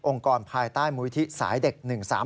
องค์กรภายใต้มูลวิธีสายเด็ก๑๓๘๗